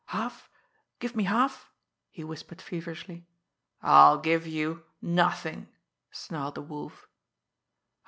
"Half give me half?" he whispered feverishly. "I'll give you nothing!" snarled the Wolf.